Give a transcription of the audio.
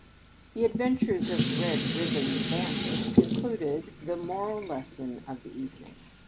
The adventures of " Eeb Eiven the Bandit " concluded the moral lesson of the evening.